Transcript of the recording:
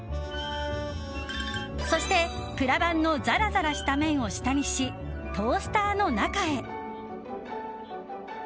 そして、プラバンのザラザラした面を下にしトースターの中へ。